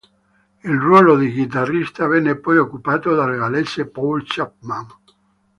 Il ruolo di chitarrista venne poi occupato dal gallese Paul Chapman.